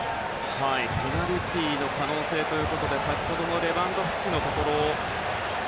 ペナルティーの可能性ということで先ほどのレバンドフスキのところ。